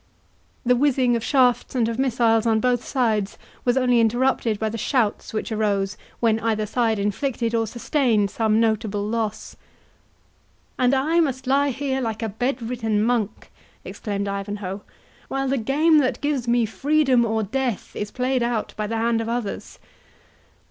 The whizzing of shafts and of missiles, on both sides, was only interrupted by the shouts which arose when either side inflicted or sustained some notable loss. "And I must lie here like a bedridden monk," exclaimed Ivanhoe, "while the game that gives me freedom or death is played out by the hand of others!